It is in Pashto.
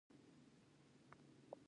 د غزني په قره باغ کې د اوسپنې نښې شته.